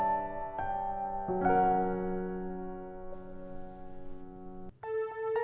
terima kasih olur ipyr platform ini sangat membantu kami melatih tempat keramik terbaik